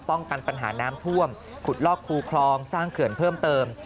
กันปัญหาน้ำท่วมขุดลอกคูคลองสร้างเขื่อนเพิ่มเติม